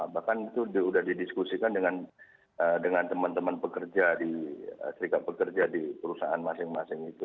bahkan itu sudah didiskusikan dengan teman teman pekerja di perusahaan masing masing itu